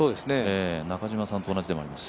中嶋さんと同じもあります。